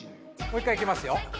もう１回いきますよ。